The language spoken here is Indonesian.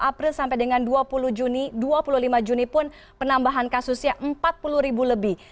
tiga puluh april sampai dengan dua puluh juni dua puluh lima juni pun penambahan kasusnya empat puluh lebih